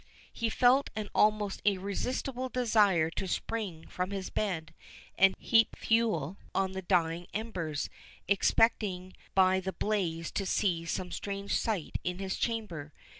He felt an almost irresistible desire to spring from his bed and heap fuel on the dying embers, expecting by the blaze to see some strange sight in his chamber.